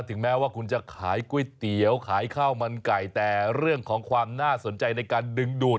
แม้ว่าคุณจะขายก๋วยเตี๋ยวขายข้าวมันไก่แต่เรื่องของความน่าสนใจในการดึงดูด